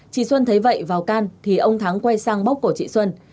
chị xuân thấy vậy vào can thì ông thắng quay sang bóc cổ chị xuân